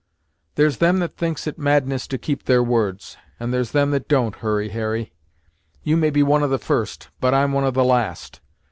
"There's them that thinks it madness to keep their words, and there's them that don't, Hurry Harry. You may be one of the first, but I'm one of the last.